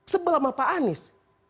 sebel sama pak anies